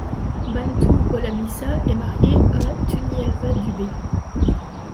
Bantu Holomisa est marié à Tunyelwa Dube.